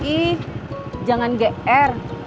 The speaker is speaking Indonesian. ih jangan ge er